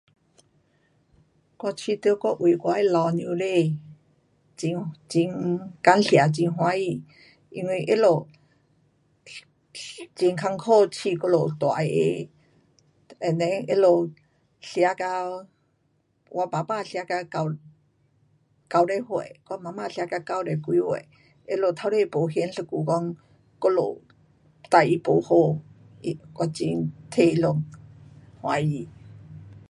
我觉得我为我的老母亲，很，很感谢，很欢喜，因为他们很困苦养我们大个，and then 他们吃到，我爸爸吃到九十岁，,我妈妈吃到九十几岁，他们透底没嫌一句讲我们待他不好，他，我很替他们欢喜。